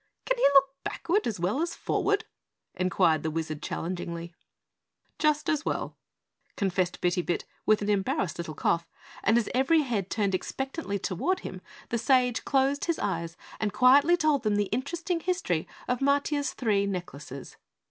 "Can he look backward as well as forward?" inquired the Wizard challengingly. "Just as well," confessed Bitty Bit with an embarrassed little cough, and as every head turned expectantly toward him, the sage closed his eyes and quietly told them the interesting history of Matiah's three necklaces.